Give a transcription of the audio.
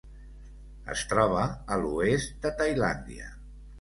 Es troba a l'oest de Tailàndia.